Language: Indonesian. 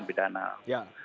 itu untuk penyelidikan